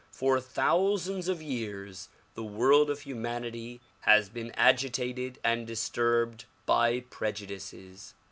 For thousands of years the world of humanity has been agitated and disturbed by prejudices.